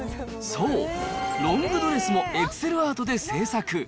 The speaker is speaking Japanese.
そう、ロングドレスもＥｘｃｅｌアートで制作。